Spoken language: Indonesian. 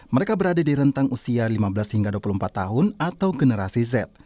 mereka berada di rentang usia lima belas hingga dua puluh empat tahun atau generasi z